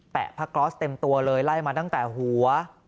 พระกรอสเต็มตัวเลยไล่มาตั้งแต่หัว